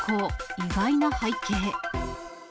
意外な背景。